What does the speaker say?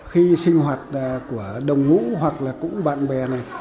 khi sinh hoạt của đồng ngũ hoặc là cũng bạn bè này